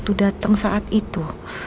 mereka tanya tanya soal lipstick